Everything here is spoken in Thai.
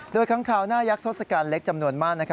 ด้วยค้างข่าวหน้ายักษ์ศกัณฐ์เล็กจำนวนมาก